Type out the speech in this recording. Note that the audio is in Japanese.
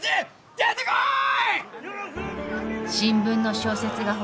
出てこい！